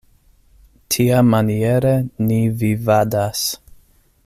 Tiamaniere ni vivadas.